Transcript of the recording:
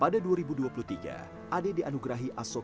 dan terbaru dua ribu dua puluh empat ade kembali dianugerahi kpae award